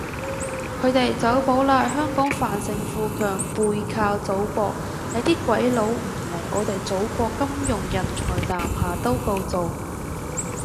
佢哋走寶喇，香港繁盛富強背靠祖國，你啲鬼佬唔嚟，我哋祖國金融人才南下都夠做